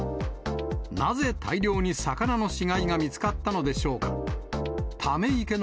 なぜ大量に魚の死骸が見つかったのでしょうか。